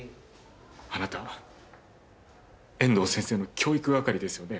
あなた遠藤先生の教育係ですよね。